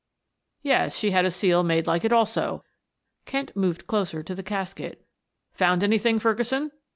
"Yes, she had a seal made like it also." McIntyre moved closer to the casket. "Found anything, Ferguson?"